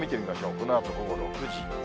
このあと午後６時。